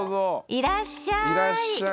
いらっしゃい。